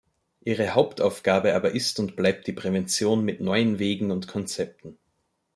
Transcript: Ihre Hauptaufgabe aber ist und bleibt die Prävention mit neuen Wegen und Konzepten.